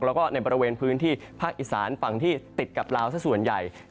แล้วก็ในบริเวณพื้นที่ภาคอีสานฝั่งที่ติดกับลาวสักส่วนใหญ่